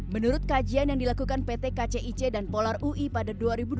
menurut kajian yang dilakukan pt kcic dan polar ui pada dua ribu dua puluh